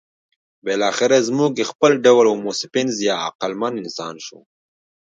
بالاخره زموږ خپل ډول هومو سیپینز یا عقلمن انسان شو.